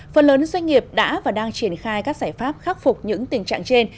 phần lớn doanh nghiệp đã và đang triển khai các giải pháp khắc phục những tình trạng trên